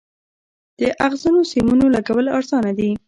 د اغزنو سیمونو لګول ارزانه دي؟